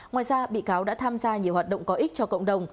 ngoài ra bị cáo đã tham gia nhiều hoạt động có ích cho cộng đồng